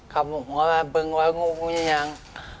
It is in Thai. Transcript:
กลับหัวมาเบื้องไว้งูไม่ยัง